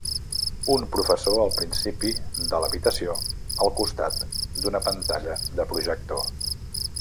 Un professor al principi de l'habitació al costat d'una pantalla de projector.